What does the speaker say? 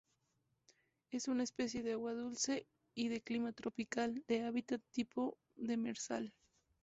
Es una especie de agua dulce y de clima tropical, de hábitat tipo demersal.